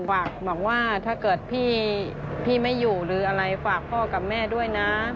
บอกว่าถ้าเกิดพี่ไม่อยู่หรืออะไรฝากพ่อกับแม่ด้วยนะ